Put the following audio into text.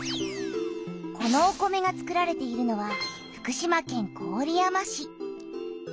このお米がつくられているのは福島県郡山市。